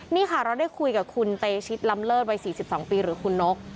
นี่ค่ะเราได้คุยกับคุณเตชิตล้ำเลิศวัย๔๒ปีหรือคุณนก